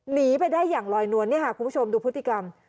หนีไปได้อย่างลอยนวลเนี่ยค่ะคุณผู้ชมดูพฤติกรรม